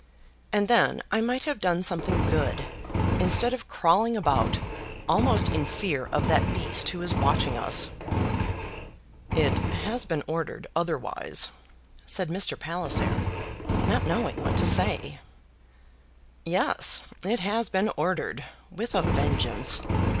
And then I might have done something good instead of crawling about almost in fear of that beast who is watching us." "It has been ordered otherwise," said Mr. Palliser, not knowing what to say. "Yes; it has been ordered, with a vengeance!